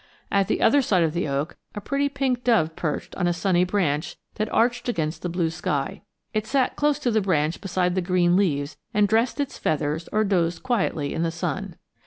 At the other side of the oak a pretty pink dove perched on a sunny branch that arched against the blue sky. It sat close to the branch beside the green leaves and dressed its feathers or dozed quietly in the sun.